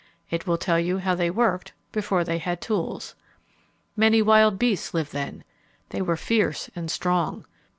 It will tell you how they worked before they had tools. Many wild beasts lived then. They were fierce and strong.